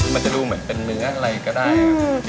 มันจะดูเหมือนเป็นเนื้ออะไรก็ได้ครับ